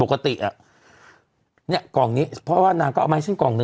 โอเคนะพี่เอให้มันหมดเลยที่มันขอพี่เอให้มันหมดเลย